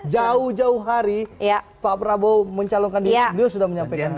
jauh jauh hari pak prabowo mencalonkan diri beliau sudah menyampaikan